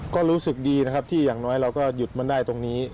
ก็รู้สึกดีนะครับที่อย่างน้อยเราก็หยุดมันได้ตรงนี้